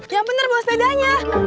yang bener bos bedanya